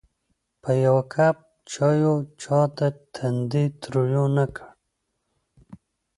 په یوه کپ چایو چاته تندی تریو نه کړ.